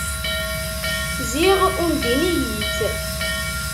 Ziɣ undin-iyi-tt.